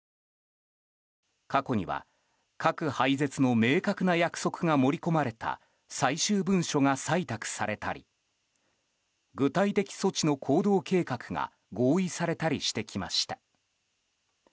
過去には、核廃絶の明確な約束が盛り込まれた最終文書が採択されたり具体的措置の行動計画が合意されたりしてきました。